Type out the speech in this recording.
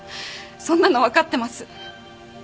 そんなの分かってます。